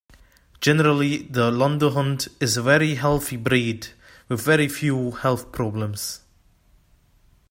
Generally the Lundehund is a very healthy breed with very few health problems.